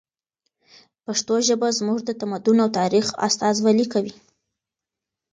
پښتو ژبه زموږ د تمدن او تاریخ استازولي کوي.